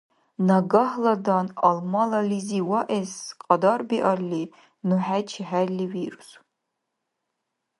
Нагагьладан Алмалализи ваэс кьадарбиалли, ну хӀечи хӀерли вирус.